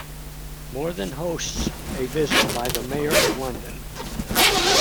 More than hosts a visit by the Mayor of London.